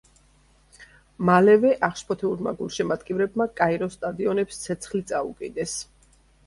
მალევე აღშფოთებულმა გულშემატკივრებმა კაიროს სტადიონებს ცეცხლი წაუკიდეს.